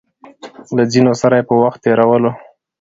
له ځينو سره يې په وخت تېرولو